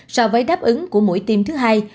so với đáp ứng của mũi tiêm thứ hai